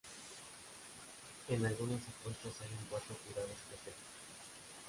En algunas apuestas hay un cuarto jurado especial